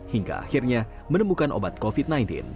hingga akhirnya menemukan obat covid sembilan belas